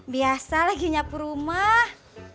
biasa lagi nyapu rumah